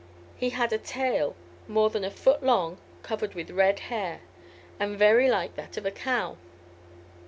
He had a tail more than a foot long, covered with red hair, and very like that of a cow.